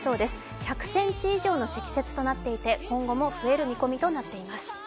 １００ｃｍ以上の積雪となっていて、今後も増える見込みとなっています。